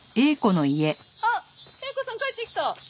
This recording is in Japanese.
あっ映子さん帰ってきた！